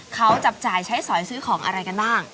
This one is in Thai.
เขาจับจ่ายใช้สอยซื้อของอะไรกันบ้าง